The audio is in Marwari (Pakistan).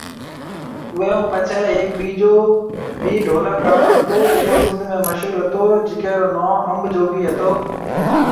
اوئي ھونپڇي ھيَََڪ ٻيجو بِي ڍولڪ آڙو ھتو جڪو سنڌ ۾ مشھور ھتو جڪي رو نون انب جوگي ھتو